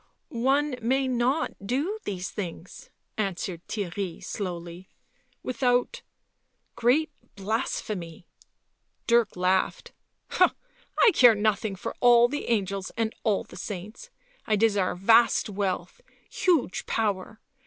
" One may not do these things," answered Theirry slowly, " without — great blasphemy " Dirk laughed. " I care nothing for all the angels and all the saints. ... I desire vast wealth, huge power.